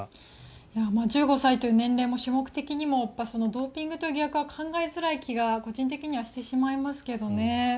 １５歳という年齢も種目的にもドーピングという疑惑は考えづらい気が個人的にはしてしまいますけどね。